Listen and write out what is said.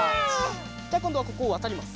じゃあこんどはここをわたります。